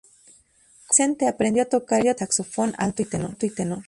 Como adolescente aprendió a tocar el saxofón alto y tenor.